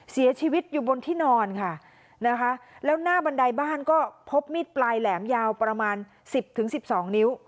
เสียชีวิตอยู่บนที่นอนค่ะนะคะแล้วหน้าบันไดบ้านก็พบมีดปลายแหลมยาวประมาณ๑๐๑๒นิ้ว